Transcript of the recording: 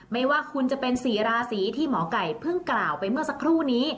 ไม่ว่าคุณจะเป็น๔ราศีที่หมอไก่เพิ่งกล่าวไปเมื่อสักครู่นี้